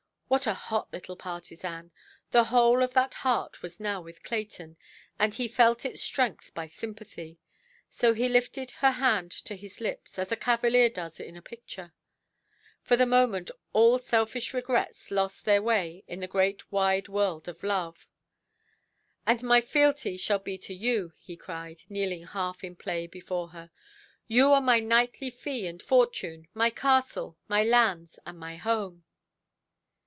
What a hot little partisan! The whole of that heart was now with Clayton, and he felt its strength by sympathy. So he lifted her hand to his lips, as a cavalier does in a picture. For the moment all selfish regrets lost their way in the great wide world of love. "And my fealty shall be to you", he cried, kneeling half in play before her; "you are my knightly fee and fortune, my castle, my lands, and my home".